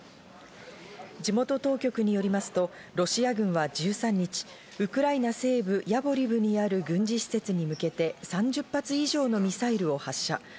地元当局によりますと、ロシア軍は１３日、ウクライナ西部ヤボリブにある軍事施設に向けて３０発以上のミサイルを発射。